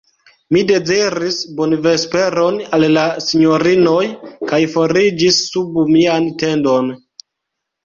Mi deziris bonvesperon al la sinjorinoj, kaj foriĝis sub mian tendon.